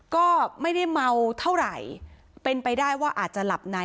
ก็ไม่ได้เมาเท่าไหร่เป็นไปได้ว่าอาจจะหลับใน